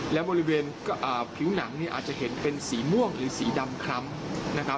และบริเวณผิวหนังอาจจะเห็นเป็นสีม่วงหรือสีดำคล้ำ